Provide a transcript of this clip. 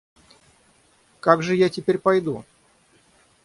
Как же я теперь пойду?